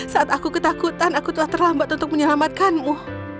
saat aku ketakutan aku telah terlambat untuk menyelamatkanmu